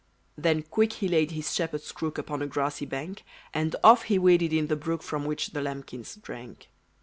Then quick he laid his shepherd's crook Upon a grassy bank; And off he waded in the brook From which the lambkins drank.